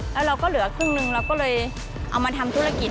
แล้วเราก็เหลือครึ่งหนึ่งเราก็เลยเอามาทำธุรกิจ